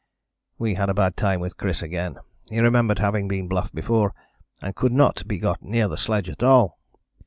We had a bad time with Chris again. He remembered having been bluffed before, and could not be got near the sledge at all.